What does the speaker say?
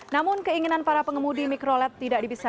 namun keinginan para pengumudi mikrolet tidak dibisaikan